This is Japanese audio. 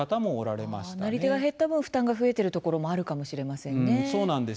なり手が減った分負担が増えているところもあるかもしれませんね。